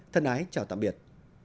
thân ái chào tạm biệt